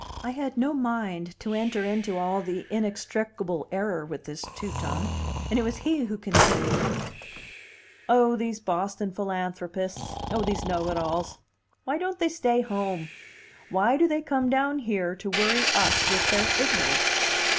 I had no mind to enter into all the inextricable error with this Teuton, and it was he who continued: "Oh, these Boston philanthropists; oh, these know it alls! Why don't they stay home? Why do they come down here to worry us with their ignorance?